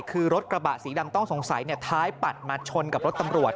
คือรถกระบะสีดำต้องสงสัยท้ายปัดมาชนกับรถตำรวจ